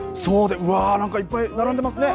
何かいっぱい並んでますね。